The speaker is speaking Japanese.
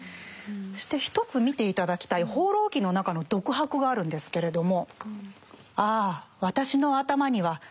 そして一つ見て頂きたい「放浪記」の中の独白があるんですけれども。